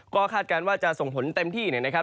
ก็คาดการณ์ว่าจะส่งผลเต็มที่นะครับ